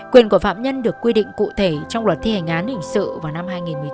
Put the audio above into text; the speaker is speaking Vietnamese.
quyền của phạm nhân được quy định cụ thể trong luật thi hành án hình sự vào năm hai nghìn một mươi tám